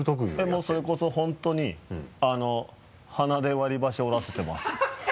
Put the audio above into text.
もうそれこそ本当に鼻で割り箸折らせてます。